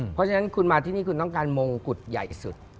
เพราะฉะนั้นคุณมาที่นี่คุณต้องการมงกุฎใหญ่สุด